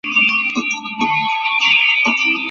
এই রুমালটার প্রতি হরিদাসের বিশেষ লোভ।